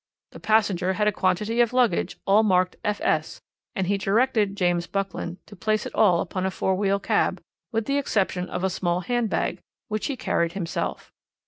"The passenger had a quantity of luggage, all marked F.S., and he directed James Buckland to place it all upon a four wheel cab, with the exception of a small hand bag, which he carried himself.